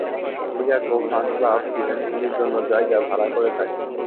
Chicago fun club ইভেন্টগুলির জন্য জায়গা ভাড়া করে থাকে।